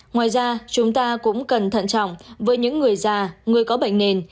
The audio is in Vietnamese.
ngoài ra chúng ta cũng cần thận trọng với những người già người có bệnh nền